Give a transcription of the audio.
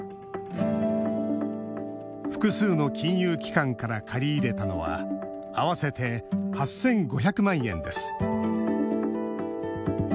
複数の金融機関から借り入れたのは合わせて８５００万円です。